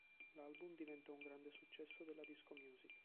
L'album diventò un grande successo della disco music.